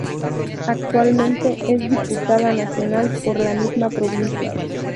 Actualmente es diputada nacional por la misma provincia.